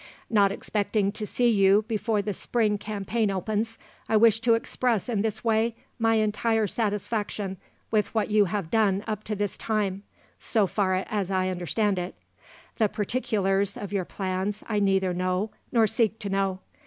"Not expecting to see you before the spring campaign opens, I wish to express in this way my entire satisfaction with what you have done up to this time, so far as I understand it. The particulars of your plans I neither know nor seek to know.